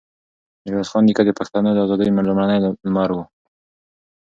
ميرويس خان نیکه د پښتنو د ازادۍ لومړنی لمر و.